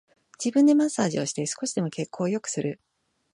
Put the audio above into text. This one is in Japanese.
自分でマッサージをして少しでも血行を良くする